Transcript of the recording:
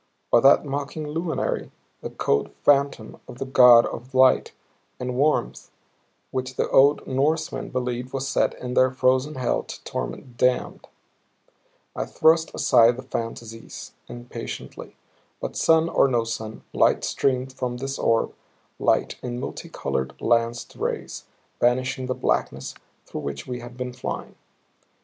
Or that mocking luminary, the cold phantom of the God of light and warmth which the old Norsemen believed was set in their frozen hell to torment the damned? I thrust aside the fantasies, impatiently. But sun or no sun, light streamed from this orb, light in multicolored, lanced rays, banishing the blackness through which we had been flying.